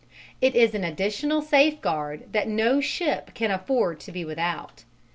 It is an additional safeguard that no ship can afford to be without.